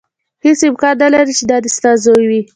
هېڅ امکان نه لري چې دا دې ستا زوی وي.